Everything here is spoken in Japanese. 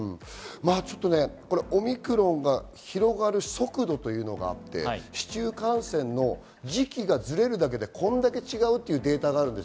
オミクロンが広がる速度というのがあって、市中感染も時期がずれるだけでこれだけ違うというデータがあります。